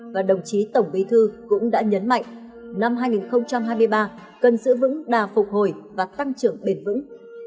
và đồng chí tổng bí thư cũng đã nhấn mạnh năm hai nghìn hai mươi ba cần giữ vững đà phục hồi và tăng trưởng bền vững